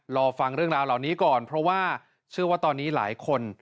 รอฟังเรื่องราวเหล่านี้ก่อนเพราะว่าเชื่อว่าตอนนี้หลายคน